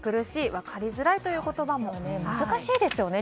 分かりづらいとの言葉も難しいですよね